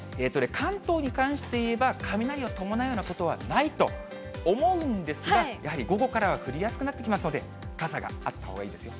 関東に関して言えば、雷を伴うようなことはないと思うんですが、やはり午後からは降りやすくなってきますので、傘があったほうがいいですよ。